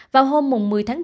vào hôm một mươi tháng bốn